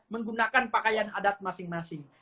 menggunakan pakaian adat masing masing